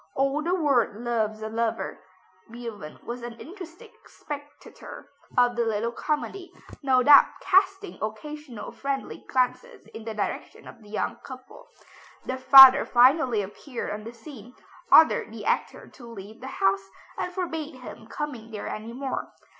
"All the world loves a lover." Beethoven was an interested spectator of the little comedy, no doubt casting occasional friendly glances in the direction of the young couple. The father finally appeared on the scene, ordered the actor to leave the house, and forbade him coming there any more.